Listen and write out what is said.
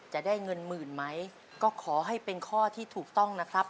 จะได้เงินหมื่นไหมก็ขอให้เป็นข้อที่ถูกต้องนะครับ